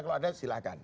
kalau ada silahkan